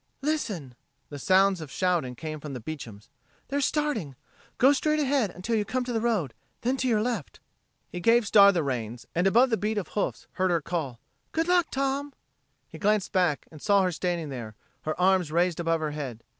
"Listen!" The sounds of shouting came from the Beecham's. "They're starting. Go straight ahead until you come to the road, then to your left." He gave Star the reins, and above the beat of hoofs heard her call: "Good luck, Tom!" He glanced back and saw her standing there, her arms raised above her head.